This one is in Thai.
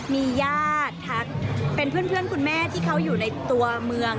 มีญาติทักเป็นเพื่อนคุณแม่ที่เขาอยู่ในตัวเมือง